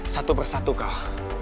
satu persatu kak